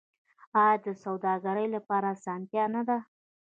آیا دا د سوداګرۍ لپاره اسانتیا نه ده؟